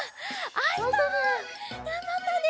あいたね。